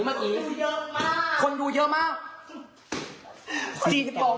ไม่ได้